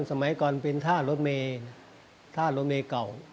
สมัยก่อนเป็นท่าโรดเมเก่า